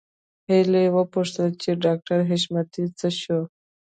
هيلې وپوښتل چې ډاکټر حشمتي څه شو